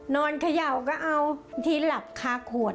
นอนเขย่าก็เอาบางทีหลับค้าขวด